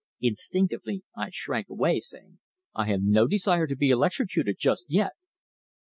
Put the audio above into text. Instinctively I shrank away, saying: "I have no desire to be electrocuted just yet."